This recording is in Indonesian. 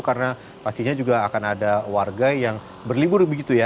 karena pastinya juga akan ada warga yang berlibur begitu ya